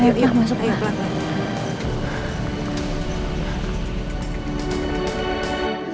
yuk masuk yuk